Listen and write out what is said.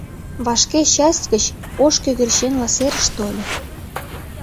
Вашке часть гыч ош кӧгӧрченла серыш тольо.